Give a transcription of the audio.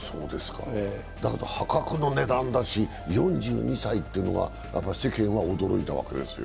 だけど破格の値段だし、４２歳とうのが世間は驚いたわけですよ。